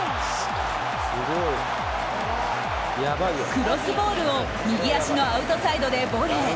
クロスボールを右足のアウトサイドでボレー。